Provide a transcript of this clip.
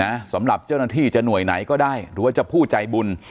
สำหรับเจ้าหน้าที่จะหน่วยไหนก็ได้หรือว่าจะผู้ใจบุญ